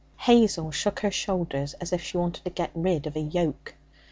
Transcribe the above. Hazel shook her shoulders as if she wanted to get rid of a yoke.